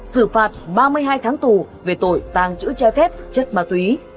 sử phạt ba mươi hai tháng tù về tội tăng trữ che phép chất ma túy